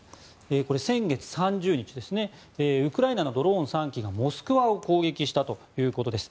これ、先月３０日ウクライナのドローン３機がモスクワを攻撃したということです。